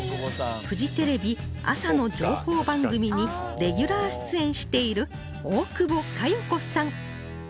フジテレビ朝の情報番組にレギュラー出演している大久保佳代子さん